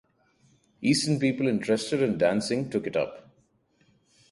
Eastern people interested in dancing took it up.